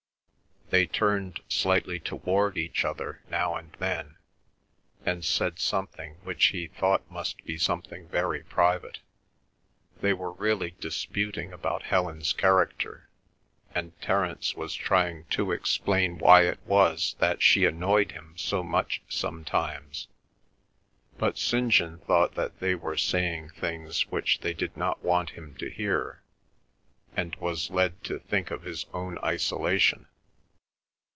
They turned slightly toward each other now and then, and said something which he thought must be something very private. They were really disputing about Helen's character, and Terence was trying to explain why it was that she annoyed him so much sometimes. But St. John thought that they were saying things which they did not want him to hear, and was led to think of his own isolation.